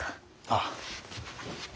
ああ。